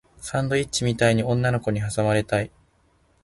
サンドイッチみたいに女の子に挟まれたい